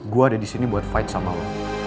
gue ada disini buat fight sama lo